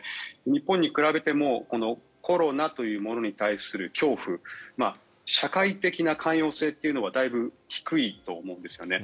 日本と比べてもこのコロナというものに対する恐怖社会的な寛容性というのはだいぶ低いと思うんですね。